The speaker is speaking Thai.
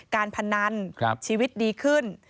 การพนันชีวิตดีขึ้น